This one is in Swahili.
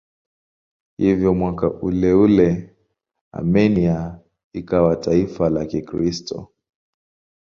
Hivyo mwaka uleule Armenia ikawa taifa la Kikristo.